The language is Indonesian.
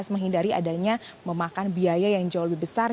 menghindari adanya memakan biaya yang jauh lebih besar